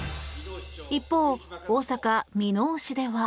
一方、大阪・箕面市では。